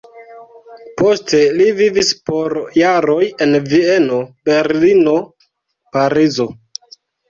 Poste li vivis por jaroj en Vieno, Berlino, Parizo.